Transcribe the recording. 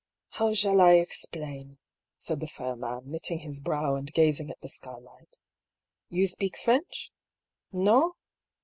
^ How shall I explain ?" said the fair man, knitting his brow and gazing at the skylight. *^You speak French? No?